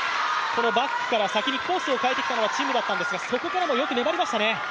バックから先にコースを変えてきたのは陳夢だったんですがそこからもよく粘りましたね。